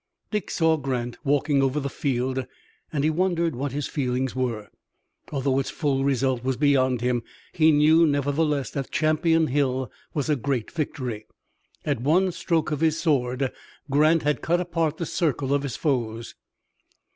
Dick saw Grant walking over the field and he wondered what his feelings were. Although its full result was beyond him he knew, nevertheless, that Champion Hill was a great victory. At one stroke of his sword Grant had cut apart the circle of his foes.